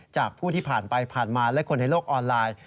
จากผู้ที่ผ่านไปผ่านมาและคนในโลกออนไลน์